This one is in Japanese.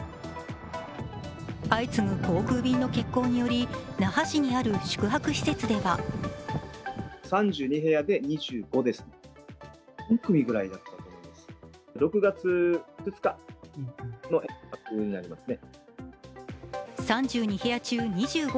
相次ぐ航空便の欠航により那覇市にある宿泊施設では３２部屋中２５